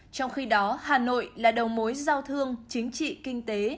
trong khi đó hà nội là đầu mối giao thương chính trị kinh tế